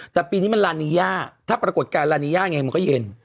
แต่ปีนี้มันลานีย่าถ้าปรากฏการณ์ลานีย่าไงมันก็เย็น